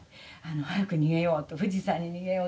早く逃げよう富士山に逃げよう」とか。